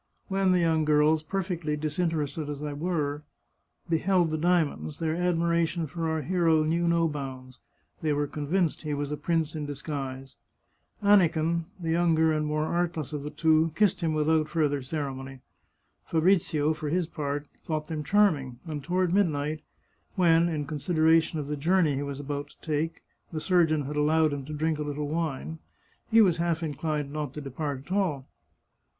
When the young girls, perfectly disinterested as they were, beheld the dia monds, their admiration for our hero knew no bounds. They were convinced he was a prince in disguise. Aniken, the younger and more artless of the two, kissed him without further ceremony. Fabrizio, for his part, thought them charming, and toward midnight, when, in consideration of the journey he was about to take, the surgeon had allowed him to drink a little wine, he was half inclined not to depart at all.